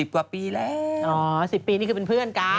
กว่าปีแล้วอ๋อ๑๐ปีนี่คือเป็นเพื่อนกัน